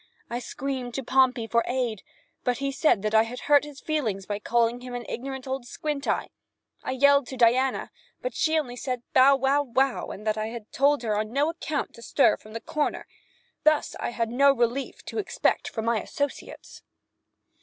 I screamed to Pompey for aid; but he said that I had hurt his feelings by calling him "an ignorant old squint eye." I yelled to Diana; but she only said "bow wow wow," and that I had told her "on no account to stir from the corner." Thus I had no relief to expect from my associates.